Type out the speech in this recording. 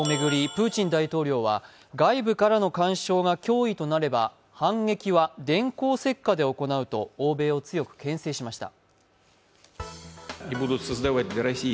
プーチン大統領は外部からの干渉が脅威となれば反撃は電光石火で行うと欧米を強くけん制しました。